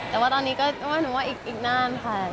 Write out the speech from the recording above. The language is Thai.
แต่ว่าตอนนี้ก็อีกนานค่ะ